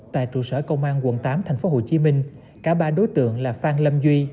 tại trụ sở công an quận tám tp hcm cả ba đối tượng là phan lâm duy